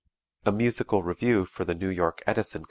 A Musical Revue for the New York Edison Co.